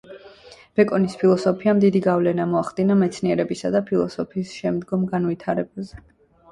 ბეკონის ფილოსოფიამ დიდი გავლენა მოახდინა მეცნიერებისა და ფილოსოფიის შემდგომ განვითარებაზე.